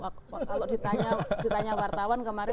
kalau ditanya wartawan kemarin